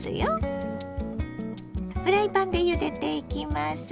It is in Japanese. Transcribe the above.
フライパンでゆでていきます。